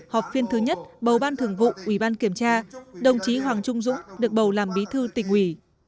họp phiên thứ nhất bầu ban thường vụ ủy ban kiểm tra đồng chí hoàng trung dũng được bầu làm bí thư tỉnh ủy